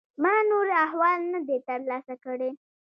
ما نور احوال نه دی ترلاسه کړی.